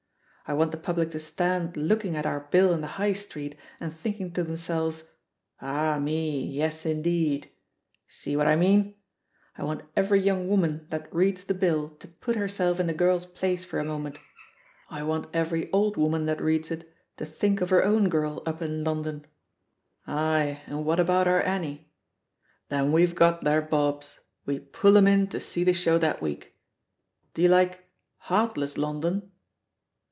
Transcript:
I want the public to stand looking Sft 186 THE POSITION OF PEGGY HARPEH our bill in the High Street and thinking to them selves, 'Ah me ! Yes, indeed I' See what I mean f I want every young woman that reads the bill to put herself in the girl's place for a moment; I want every old woman that reads it to think of her own girl up in London. *Aye, and what about our Annie V Then we Ve got their bobs — we pull *em in to see the iShow that week I Do you like 'Heartless London'?